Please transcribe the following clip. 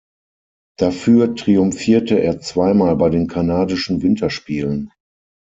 Dafür triumphierte er zweimal bei den Kanadischen Winterspielen.